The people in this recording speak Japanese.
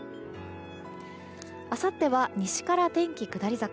あさっては西から天気、下り坂。